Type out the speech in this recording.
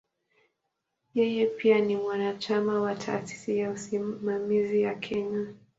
Yeye pia ni mwanachama wa "Taasisi ya Usimamizi ya Kenya".